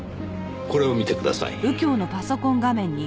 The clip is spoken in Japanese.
これを見てください。